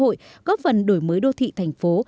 phát triển kinh tế xã hội góp phần đổi mới đô thị thành phố